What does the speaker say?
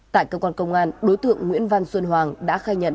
tại cơ quan công an đối tượng nguyễn văn xuân hoàng đã khai nhận